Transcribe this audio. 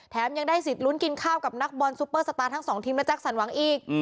ยังได้สิทธิ์ลุ้นกินข้าวกับนักบอลซุปเปอร์สตาร์ทั้งสองทีมและแจ็คสันหวังอีก